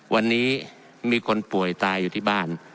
วันนี้มีคนป่วยตายอยู่ที่บ้าน